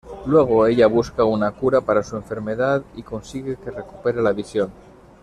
Luego ella busca una cura para su enfermedad y consigue que recupere la visión.